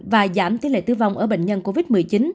và giảm tỷ lệ tử vong ở bệnh nhân covid một mươi chín